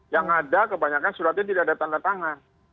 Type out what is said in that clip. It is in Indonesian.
yang ada kebanyakan suratnya tidak ada tanda tangan